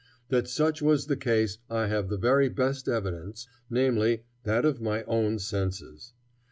That such was the case I have the very best evidence, namely, that of my own senses.